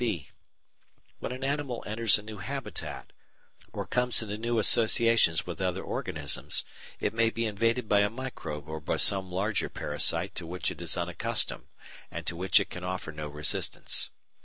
(b) When an animal enters a new habitat, or comes into new associations with other organisms, it may be invaded by a microbe or by some larger parasite to which it is unaccustomed and to which it can offer no resistance.